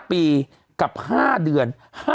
ปีกับ๕เดือน